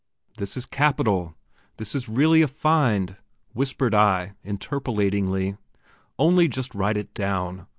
That is capital! That is really a find! whispered I, interpolatingly; only just write it down!